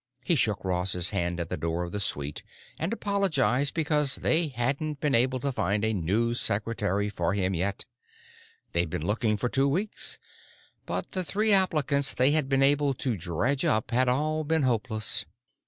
He shook Ross's hand at the door of the suite and apologized because they hadn't been able to find a new secretary for him yet. They'd been looking for two weeks, but the three applicants they had been able to dredge up had all been hopeless.